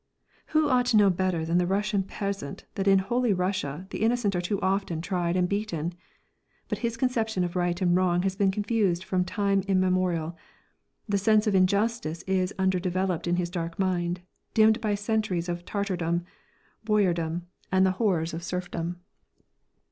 Who ought to know better than the Russian peasant that in "Holy Russia" the innocent are too often tried and beaten? But his conception of right and wrong has been confused from time immemorial, the sense of injustice is undeveloped in his dark mind, dimmed by centuries of Tartardom, boyardom, and the horrors of serfdom.